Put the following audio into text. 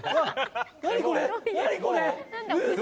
何これ？